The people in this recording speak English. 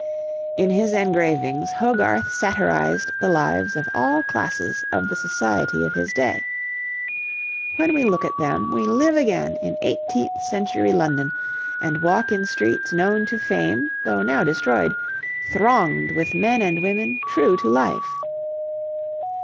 In his engravings Hogarth satirised the lives of all classes of the society of his day. When we look at them we live again in eighteenth century London, and walk in streets known to fame though now destroyed, thronged with men and women, true to life.